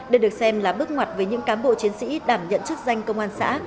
được được xem là bước ngoặt với những cám bộ chiến sĩ đảm nhận chức danh công an xã